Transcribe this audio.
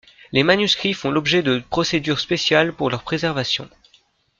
Les manuscrits font l'objet de procédures spéciales pour leur préservation.